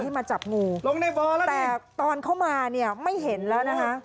ให้มาจับงูแต่ตอนเข้ามาไม่เห็นแล้วนะครับ